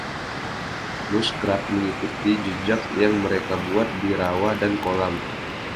Muskrat mengikuti jejak yang mereka buat di rawa dan kolam.